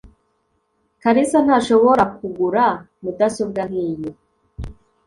kalisa ntashobora kugura mudasobwa nkiyi